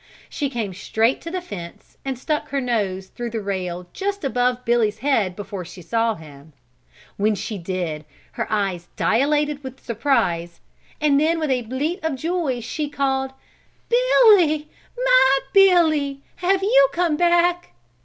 She came straight to the fence and stuck her nose through the rail just above Billy's head before she saw him. When she did, her eyes dilated with surprise, and then with a bleat of joy, she called: "Billy! My Billy! Have you come back!"